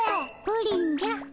プリンじゃ。